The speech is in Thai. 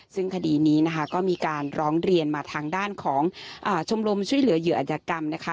ซึ่งคดีนี้นะคะก็มีการร้องเรียนมาทางด้านของชมรมช่วยเหลือเหยื่ออัธยกรรมนะคะ